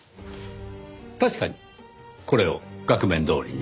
確かにこれを額面どおりには。